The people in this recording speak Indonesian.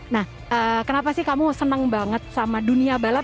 nah kenapa kamu senang banget sama dunia balap